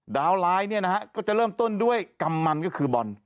ดาวร้ายเนี่ยนะฮะก็จะเริ่มต้นด้วยกำมันก็คือบอล